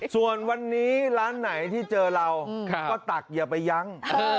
ส่วนวันนี้ร้านไหนที่เจอเราก็ตักอย่าไปยั้ง